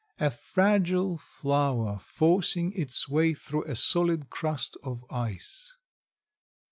A fragile flower forcing its way through a solid crust of ice.